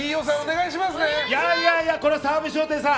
いやいや、澤部商店さん